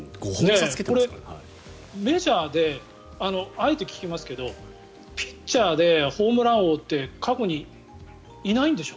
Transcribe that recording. これ、メジャーであえて聞きますけどピッチャーでホームラン王って過去にいないんでしょ？